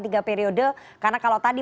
tiga periode karena kalau tadi